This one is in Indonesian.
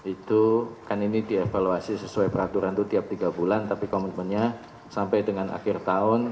itu kan ini dievaluasi sesuai peraturan itu tiap tiga bulan tapi komitmennya sampai dengan akhir tahun